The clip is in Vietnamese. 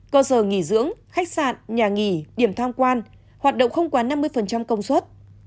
cơ sở nghỉ dưỡng khách sạn nhà nghỉ điểm tham quan hoạt động không quá năm mươi công suất